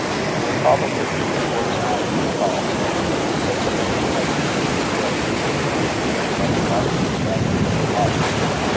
It will probably be towards night when he calls, for such a man may have reasons as well as instincts to make him love the darkness rather than the light.